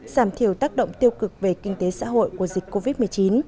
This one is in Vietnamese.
giảm thiểu tác động tiêu cực về kinh tế xã hội của dịch covid một mươi chín